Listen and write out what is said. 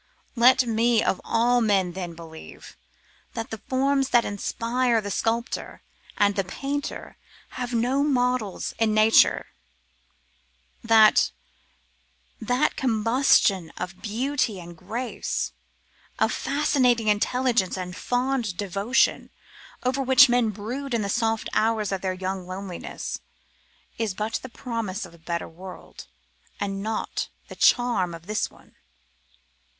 let me of all men then believe, that the forms that inspire the sculptor and the painter have no models in nature; that that combination of beauty and grace, of fascinating intelligence and fond devotion, over which men brood in the soft hours of their young loneliness, is but the promise of a better world, and not the charm of this one.